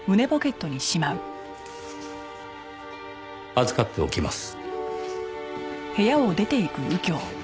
預かっておきます。